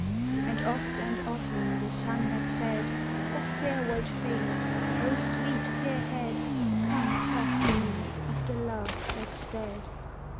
And oft and often the sun had said "O fair, white face, O sweet, fair head, Come talk to me of the love that's dead."